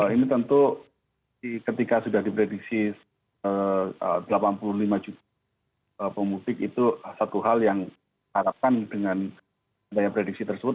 ini tentu ketika sudah diprediksi delapan puluh lima juta pemudik itu satu hal yang harapkan dengan adanya prediksi tersebut